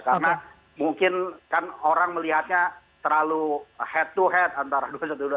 karena mungkin kan orang melihatnya terlalu head to head antara pa dua ratus dua belas